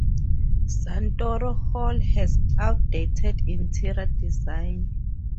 Santoro Hall has outdated interior design.